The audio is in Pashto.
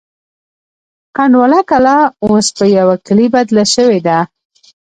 کنډواله کلا اوس په یوه کلي بدله شوې ده.